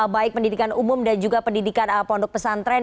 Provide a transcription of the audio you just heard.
baik pendidikan umum dan juga pendidikan pondok pesantren